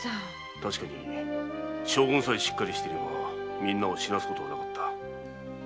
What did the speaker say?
確かに将軍さえしっかりしていればみんなを死なすことはなかった。